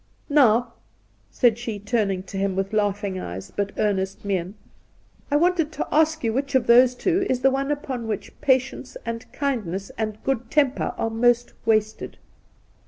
Now,' said she, turning to him with laughing eyes but Induna Nairn 119 earnest mien, ' I wanted to ask you which of those two is the one upon which patience and kindness and good temper are most wasted.'